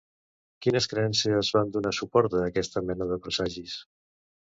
Quines creences van donar suport a aquesta mena de presagis?